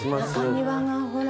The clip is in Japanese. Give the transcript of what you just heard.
中庭がほら。